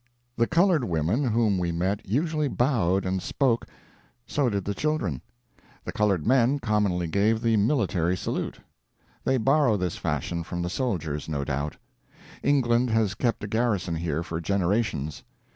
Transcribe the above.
The colored women whom we met usually bowed and spoke; so did the children. The colored men commonly gave the military salute. They borrow this fashion from the soldiers, no doubt; England has kept a garrison here for generations.